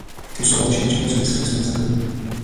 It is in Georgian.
მთის მწვერვალზე შემორჩენილია ძველი ციხესიმაგრის ნანგრევები.